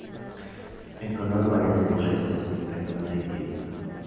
El color varía según la especie, región e individuo.